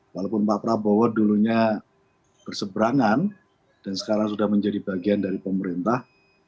walaupun pak prabowo dulunya berseberangan dan sekarang sudah menjadi bagian dari pemerintah